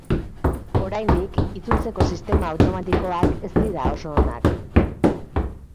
Oraindik itzultzeko sistema automatikoak ez dira oso onak.